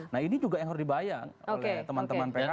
nah ini juga yang harus dibayang oleh teman teman phk